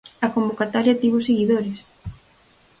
A convocatoria tivo seguidores.